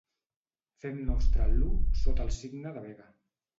Fem nostre l'U sota el signe de Vega.